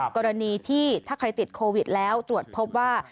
กรณีที่ถ้าใครติดโควิดแล้วตรวจพบว่า